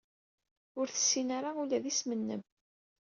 Ur tessin ara ula d isem-nnem.